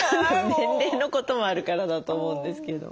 年齢のこともあるからだと思うんですけど。